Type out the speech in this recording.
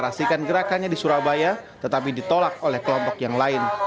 pastikan gerakannya di surabaya tetapi ditolak oleh kelompok yang lain